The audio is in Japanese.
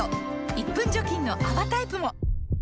１分除菌の泡タイプも！